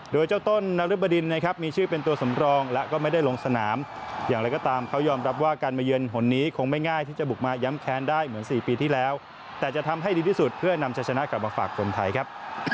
โดยเจ้าต้นนรึบดินนะครับมีชื่อเป็นตัวสำรองและก็ไม่ได้ลงสนามอย่างไรก็ตามเขายอมรับว่าการมาเยือนหนนี้คงไม่ง่ายที่จะบุกมาย้ำแค้นได้เหมือน๔ปีที่แล้วแต่จะทำให้ดีที่สุดเพื่อนำจะชนะกลับมาฝากคนไทยครับ